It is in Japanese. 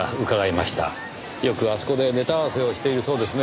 よくあそこでネタ合わせをしているそうですね。